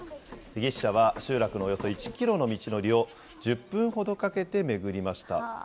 ぎっしゃは集落のおよそ１キロの道のりを１０分ほどかけて巡りました。